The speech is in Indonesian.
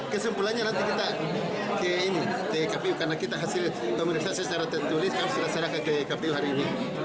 kesimpulannya nanti kita ke kpu karena kita hasil pemeriksaan secara tertulis kami sudah serahkan ke kpu hari ini